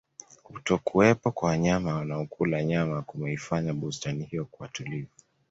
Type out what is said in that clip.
kutokuwepo kwa wanyama wanaokula nyama kumeifanya bustani hiyo kuwa tulivu